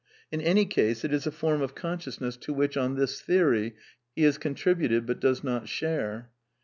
In any case it is a form of con sciousness to which, on this theory, he has contributed but does not share.